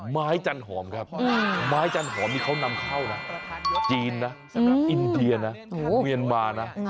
จันหอมครับไม้จันหอมนี่เขานำเข้านะจีนนะสำหรับอินเดียนะเมียนมานะ